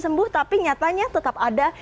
sembuh tapi nyatanya tetap ada